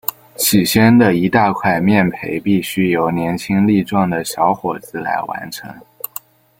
起先的一大块面培必须由年轻力壮的小伙子来完成。